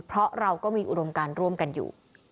เพราะเราก็มีอุดมการร่วมกันอยู่